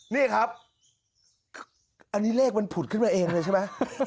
นี่ครับอันนี้เลขมันผุดขึ้นมาเองเลยใช่ไหม